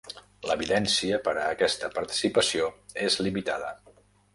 L'evidència per a aquesta participació és limitada.